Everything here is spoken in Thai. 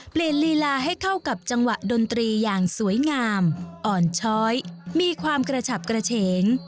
ลีลาให้เข้ากับจังหวะดนตรีอย่างสวยงามอ่อนช้อยมีความกระฉับกระเฉง